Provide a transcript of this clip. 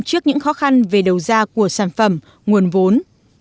trước những khó khăn về đầu ra của sản phẩm nguồn vốn